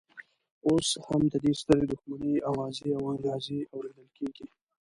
اوس هم د دې سترې دښمنۍ اوازې او انګازې اورېدل کېږي.